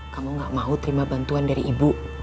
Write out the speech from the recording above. kamu gak mau terima bantuan dari ibu